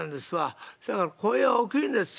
そやから声は大きいんです。